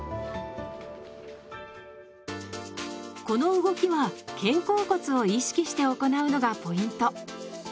この動きは肩甲骨を意識して行うのがポイント。